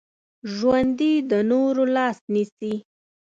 ژوندي د نورو لاس نیسي